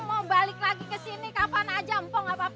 mau balik lagi ke sini kapan aja mpo gapapa